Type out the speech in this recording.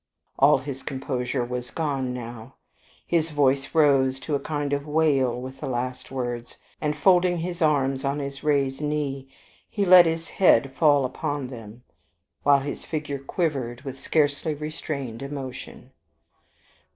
All his composure was gone now. His voice rose to a kind of wail with the last words, and folding his arms on his raised knee, he let his head fall upon them, while his figure quivered with scarcely restrained emotion.